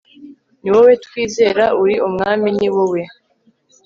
ni wowe twizera, uri umwami; ni wowe